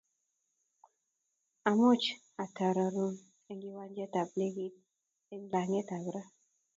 Amuchi atururun eng kiwanjet ab ndegeit eng langatut ab ra